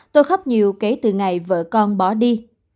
tôi khắp nhiều kể từ ngày vợ con bỏ đi